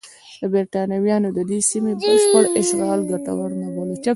برېټانویانو د دې سیمې بشپړ اشغال ګټور نه باله.